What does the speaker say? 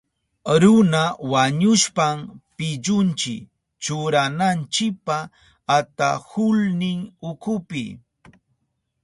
Runa wañushpan pillunchi churananchipa atahulnin ukupi.